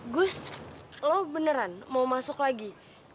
gus lo beneran mau masuk lagi